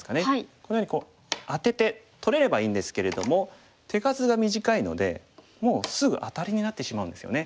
このようにこうアテて取れればいいんですけれども手数が短いのでもうすぐアタリになってしまうんですよね。